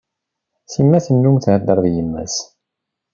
Sima tennum thedder d yemma-s.